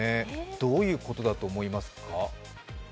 どういうことだと思いますか？